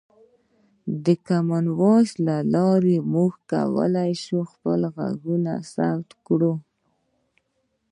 د کامن وایس له لارې موږ کولی شو خپل غږونه ثبت کړو.